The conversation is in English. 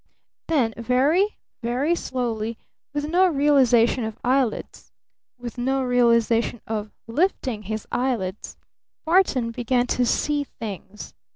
Then very, very slowly, with no realization of eyelids, with no realization of lifting his eyelids, Barton began to see things.